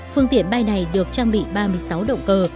phương tiện bay này được trang bị ba mươi sáu động cơ